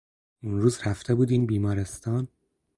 اونروز رفته بودین بیمارستان؟